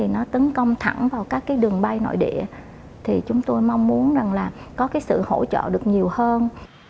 nó tấn công thẳng vào các đường bay nội địa chúng tôi mong muốn có sự hỗ trợ được nhiều hơn